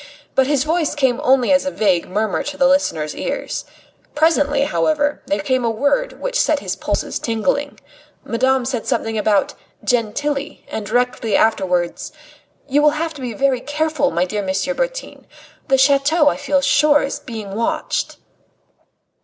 But his voice came only as a vague murmur to the listener's ears. Presently, however, there came a word which set his pulses tingling. Madame said something about "Gentilly," and directly afterwards: "You will have to be very careful, my dear M. Bertin. The chateau, I feel sure, is being watched."